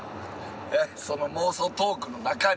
その妄想トークの中に？